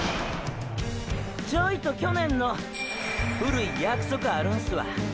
ちょいと去年の古い約束あるんすわ。